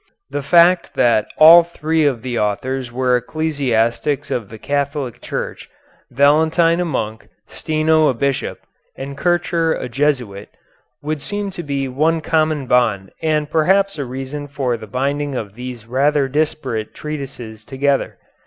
The fact that all three of the authors were ecclesiastics of the Catholic Church, Valentine a Monk, Steno a Bishop, and Kircher a Jesuit, would seem to be one common bond and perhaps a reason for the binding of these rather disparate treatises together.